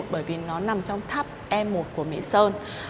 bởi vì nó nằm trong tháp e một của mỹ sơn